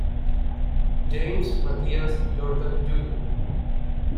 James Matthias Jordan Jr.